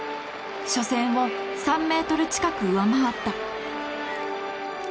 初戦を３ｍ近く上回った。